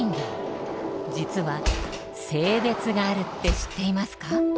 実は性別があるって知っていますか？